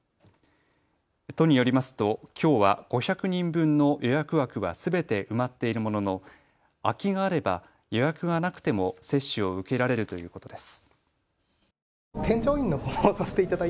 都によりますときょうは５００人分の予約枠はすべて埋まっているものの空きがあれば予約がなくても接種を受けられるということです。